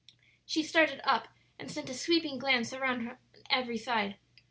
She started up and sent a sweeping glance around on every side.